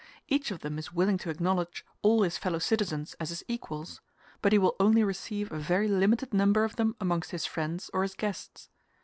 Each of them is willing to acknowledge all his fellow citizens as his equals, but he will only receive a very limited number of them amongst his friends or his guests.